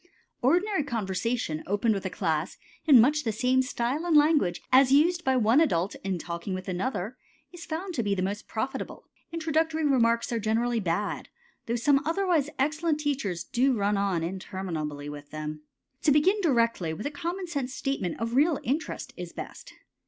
Ordinary conversation opened with a class in much the same style and language as used by one adult in talking with another is found to be the most profitable. Introductory remarks are generally bad, though some otherwise excellent teachers do run on interminably with them. To begin directly with a common sense statement of real interest is best.